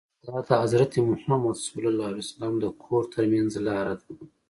دا د حضرت محمد ص د کور ترمنځ لاره ده.